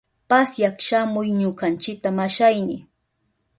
Pasyak shamuy ñukanchita, mashayni.